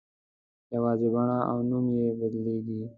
یوازې بڼه او نوم یې بدلېږي.